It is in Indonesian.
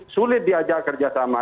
sulit diajak kerja sama